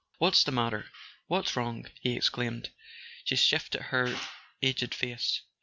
"What's the matter? What's wrong?" he exclaimed. She lifted her aged face.